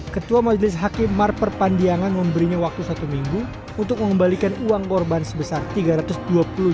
ketua majelis hakim mar perpandiangan memberinya waktu satu minggu untuk mengembalikan uang korban sebesar rp tiga ratus